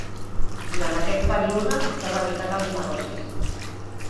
Durant aquest període s'ha dedicat als negocis.